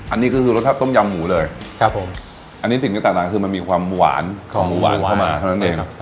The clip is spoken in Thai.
อันนี้ก็คือรสชาติต้มยำหมูเลยครับผมอันนี้สิ่งที่ต่างคือมันมีความหวานของหมูหวานเข้ามาเท่านั้นเองครับ